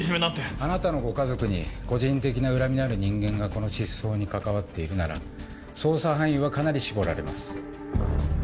あなたのご家族に個人的な恨みのある人間がこの失踪に関わっているなら捜査範囲はかなり絞られます。